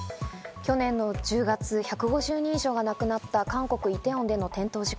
去年の１０月、１５０人以上が亡くなった韓国・イテウォンでの転倒事故。